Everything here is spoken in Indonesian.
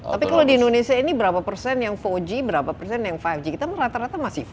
tapi kalau di indonesia ini berapa persen yang empat g berapa persen yang lima g kita rata rata masih lima